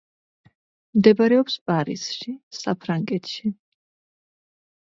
მდებარეობს პარიზში, საფრანგეთში.